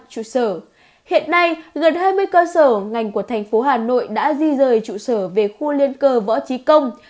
trụ sở hiện nay gần hai mươi cơ sở ngành của thành phố hà nội đã di rời trụ sở về khu liên cơ võ trí công